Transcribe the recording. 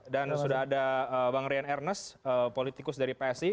dan sudah ada bang rian ernest politikus dari psi